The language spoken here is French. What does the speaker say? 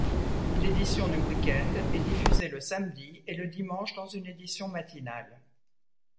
L'édition du week-end est diffusée le samedi et le dimanche dans une édition matinale.